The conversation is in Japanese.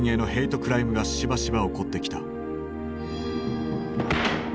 クライムがしばしば起こってきた。